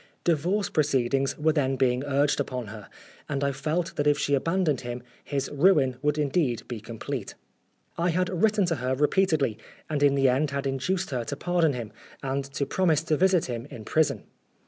Divorce proceedings were then being urged upon her, and I felt that if she abandoned him, his ruin would indeed be complete. I had written to her repeatedly, and in the end had induced her to pardon him, and to promise to visit him in prison.